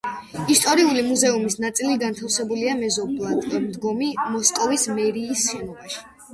ისტორიული მუზეუმის ნაწილი განთავსებულია მეზობლად მდგომი მოსკოვის მერიის შენობაში.